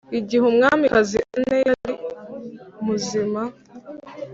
igihe umwamikazi anne yari muzima.